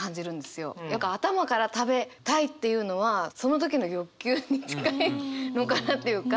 よく頭から食べたいっていうのはその時の欲求に近いのかなっていうか。